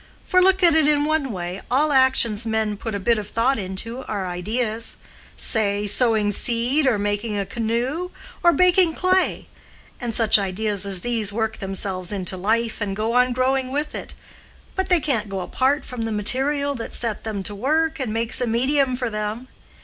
For, look at it in one way, all actions men put a bit of thought into are ideas—say, sowing seed, or making a canoe, or baking clay; and such ideas as these work themselves into life and go on growing with it, but they can't go apart from the material that set them to work and makes a medium for them.